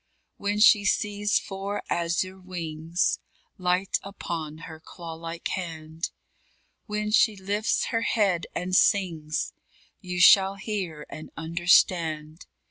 _ When she sees four azure wings Light upon her claw like hand; When she lifts her head and sings, You shall hear and understand.